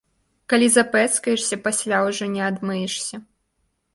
Калі запэцкаешся, пасля ўжо не адмыешся.